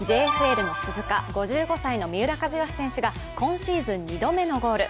ＪＦＬの鈴鹿、５５歳の三浦知良選手が今シーズン２度目のゴール。